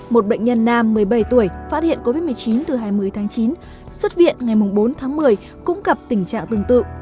một bệnh nhân nam một mươi bảy tuổi phát hiện covid một mươi chín từ hai mươi tháng chín xuất viện ngày bốn tháng một mươi cũng gặp tình trạng tương tự